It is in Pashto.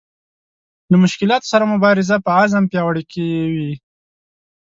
له مشکلاتو سره مبارزه په عزم پیاوړې کوي.